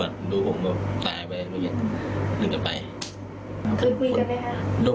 จริงเหรอเพิ่งมาอยู่ก็แสดงว่าไม่ได้